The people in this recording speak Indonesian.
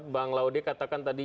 bang laude katakan tadi